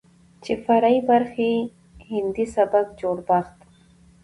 چې فرعي برخې يې هندي سبک جوړښت،